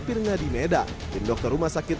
pirengadi medan dan dokter rumah sakit